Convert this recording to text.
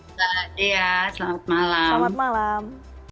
mbak dya selamat malam